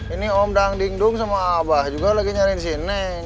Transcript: ini om dangdingdung sama abah juga lagi nyariin sini neng